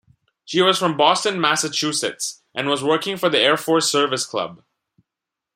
She was from Boston, Massachusetts, and was working for the Air Force service club.